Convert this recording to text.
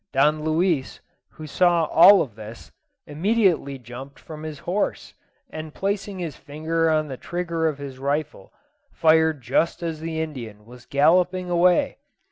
Don Luis, who saw all this, immediately jumped from his horse, and, placing his finger on the trigger of his rifle, fired just as the Indian was galloping away.